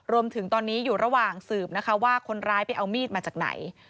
รวมถึงตอนนี้อยู่ระหว่างสืบนะคะว่าคนร้ายไปเอามีดมาจากไหน